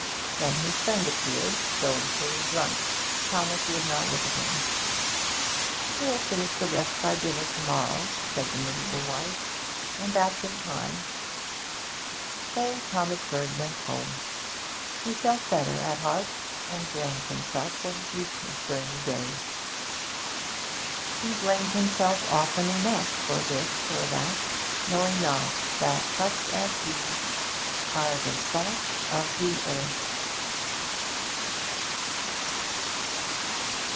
Then his friend appeared, dolefully drunk. Thomas would not look at him. 'He'll finish the rest by dinner to morrow,' said the miserable wife, 'and that's in time.' So Thomas Bird went home. He felt better at heart, and blamed himself for his weakness during the day. He blamed himself often enough for this or that, knowing not that such as he are the salt of the earth.